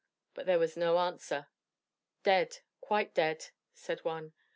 But there was no answer. "Dead, quite dead," said one.